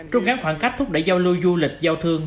trong các khoảng cách thúc đẩy giao lưu du lịch giao thương